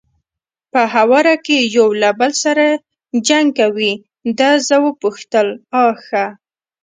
په هواره کې یو له بل سره جنګ کوي، ده زه وپوښتل: آ ښه.